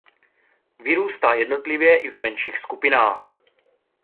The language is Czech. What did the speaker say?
Vyrůstá jednotlivě i v menších skupinách.